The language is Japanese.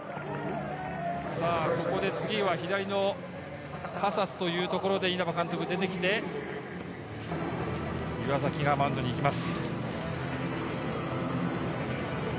ここで次は左のカサスというところで稲葉監督が出てきて、岩崎がマウンドに行きます。